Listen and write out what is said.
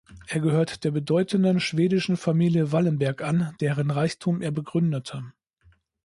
Er gehört der bedeutenden schwedischen Familie Wallenberg an, deren Reichtum er begründete.